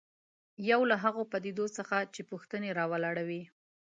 یو له هغو پدیدو څخه چې پوښتنې راولاړوي.